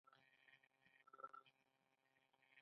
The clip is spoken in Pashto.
ابي غنم د سیندونو او کاریزونو په اوبو کیږي.